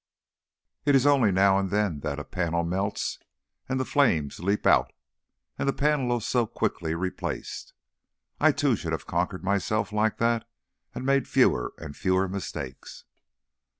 It is only now and then that a panel melts and the flame leaps out; and the panel is so quickly replaced! I too should have conquered myself like that and made fewer and fewer mistakes."